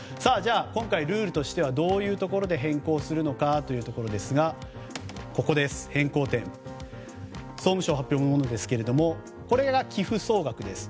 今回ルールとしてはどういうところで変更するのかというところですが総務省発表のものですがこれが寄付総額です。